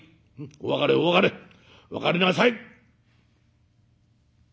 お別れお別れ別れなさい」。